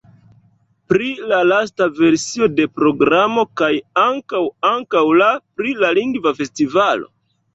Pri la lasta versio de programo kaj ankaŭ... ankaŭ la... pri la lingva festivalo?